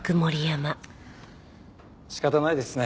仕方ないですね。